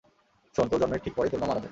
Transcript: শোন, তোর জন্মের ঠিক পরেই তোর মা মারা যায়।